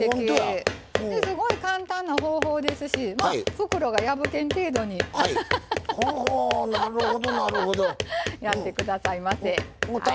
すごい簡単な方法ですし袋が破けん程度にやってくださいませ。